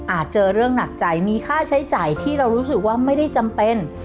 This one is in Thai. เจอเรื่องหนักใจมีค่าใช้จ่ายที่เรารู้สึกว่าไม่ได้จำเป็น